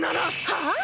はあ⁉